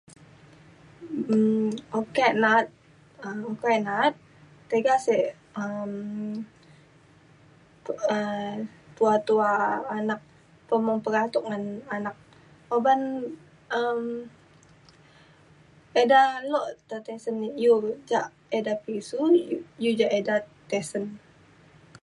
um o- ke na’at um ake na’at tiga sek um tu- um tu’a tu’a anak pemung pekatuk ngan anak uban um] ida lok te tisen iu jak ida pisiu iu jak ida tisen